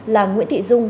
là nguyễn thị dung